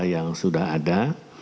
yang sudah ada